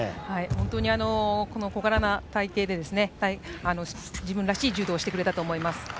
本当に、小柄な体形で自分らしい柔道をしてくれたと思います。